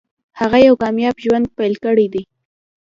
هغه یو کامیاب ژوند پیل کړی دی